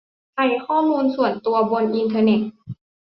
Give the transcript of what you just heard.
ภัยข้อมูลส่วนตัวบนอินเทอร์เน็ต